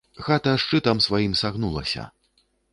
Хата шчытам сваім сагнулася.